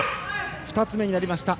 ２つ目になりました。